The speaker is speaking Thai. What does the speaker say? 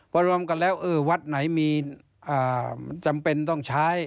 พอรวมกันแล้วเออวัดไหนมีจำเป็นต้องใช้